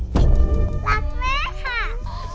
เดี๋ยวเฮ้ยเดี๋ยวเลย